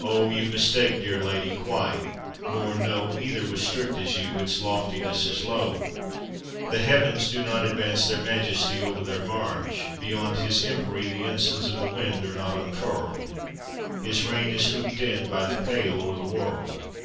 Oh, you mistake, dear lady, quite; nor know Ether was strict as you, its loftiness as low! The heavens do not advance their majesty Over their marge; beyond his empery The ensigns of the wind are not unfurled, His reign is hooped in by the pale o' the world.